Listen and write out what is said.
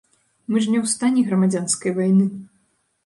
Мы ж не ў стане грамадзянскай вайны.